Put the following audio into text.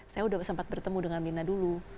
saya sudah sempat bertemu dengan mirna dulu